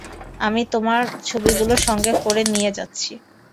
আমি তোমার ছবিগুলি সঙ্গে করে নিয়ে যাচ্ছি।